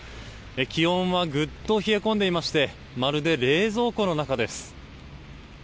気温はぐっと冷え込んでいましてまるで冷蔵庫の中です。